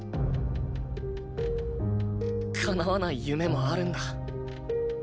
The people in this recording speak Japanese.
かなわない夢もあるんだ